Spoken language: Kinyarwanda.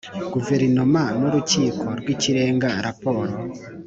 Guverinoma n Urukiko rw Ikirenga raporo